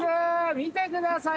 見てください